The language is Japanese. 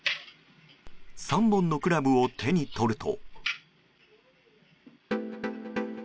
３本のクラブを手に取ると。